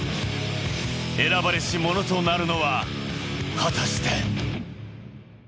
選ばれし者となるのは果たして。